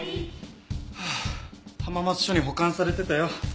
浜松署に保管されてたよ。